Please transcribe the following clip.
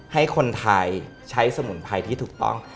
ให้คนไทยใช้สมุนไพรที่ถูกต้อง